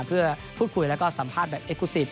เพื่อพูดคุยแล้วก็สัมภาษณ์แบบเอ็กคูซีฟ